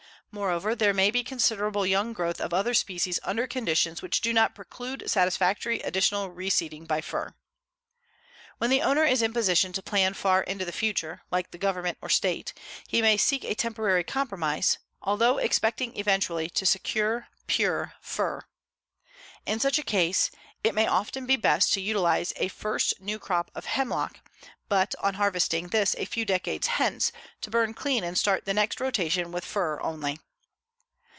Moreover, there may be considerable young growth of other species under conditions which do not preclude satisfactory additional reseeding by fir. When the owner is in position to plan far into the future, like the Government or State, he may seek a temporary compromise, although expecting eventually to secure pure fir. In such a case it may often be best to utilize a first new crop of hemlock, but on harvesting this a few decades hence to burn clean and start the next rotation with fir only.